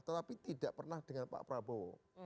tetapi tidak pernah dengan pak prabowo